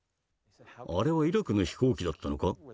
「あれはイラクの飛行機だったのか？」。